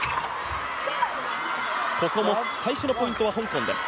最初のポイントは香港です。